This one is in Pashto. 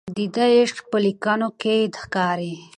د ده عشق په لیکنو کې ښکاري.